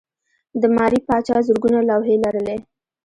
د ماري پاچا زرګونه لوحې لرلې.